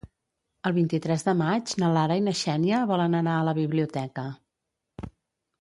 El vint-i-tres de maig na Lara i na Xènia volen anar a la biblioteca.